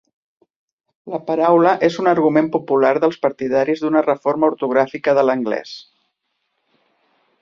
La paraula és un argument popular dels partidaris d'una reforma ortogràfica de l'anglès.